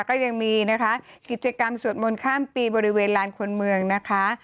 ก็ยังมีนะคะกิจกรรมสวดมนต์ข้ามปีบริเวณลานคนเมืองนะคะ